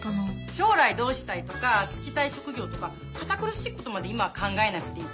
将来どうしたいとか就きたい職業とか堅苦しいことまで今は考えなくていい。